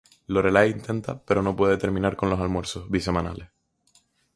Lorelai intenta pero no puede terminar con los almuerzos bi semanales.